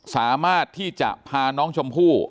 สามารถที่จะพาน้องชมพู่